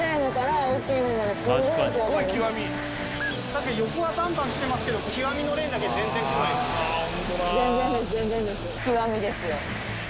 確かに横はバンバン来てますけど「極」のレーンだけ全然来ないですね。